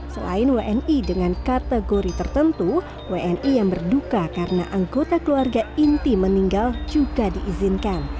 selain wni dengan kategori tertentu wni yang berduka karena anggota keluarga inti meninggal juga diizinkan